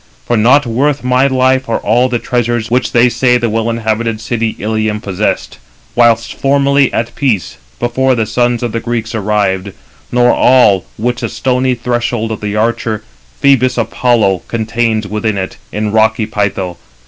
For not worth my life are all the [treasures] which they say the well inhabited city Ilium possessed, whilst formerly at peace, before the sons of the Greeks arrived; nor all which the stony threshold of the archer Phœbus Apollo contains within it, in rocky Pytho.